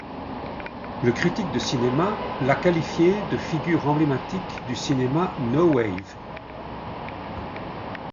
Le critique de cinéma l'a qualifiée de figure emblématique du cinéma No-Wave.